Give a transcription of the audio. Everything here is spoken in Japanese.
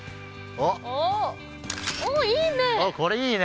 おっいいね！